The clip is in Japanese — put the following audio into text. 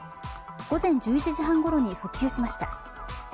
午前１１時半ごろに復旧しました。